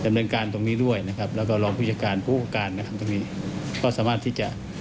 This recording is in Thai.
จำนวนการตรงนี้ด้วยและกำลังพิชการบุคคลการตรงนี้